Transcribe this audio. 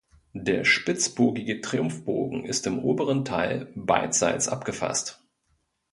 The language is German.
Der spitzbogige Triumphbogen ist im oberen Teil beidseits abgefast.